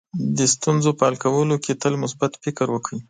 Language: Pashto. د ستونزو په حل کولو کې تل مثبت فکر وکړئ.